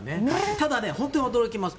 ただ、本当に驚きます。